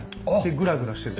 グラグラしてる。